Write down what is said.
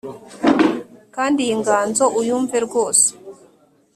kandi iyi nganzo uyumve rwose,